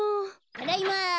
ただいま！